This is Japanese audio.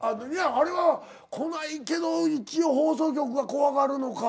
あれは来ないけど一応放送局が怖がるのか。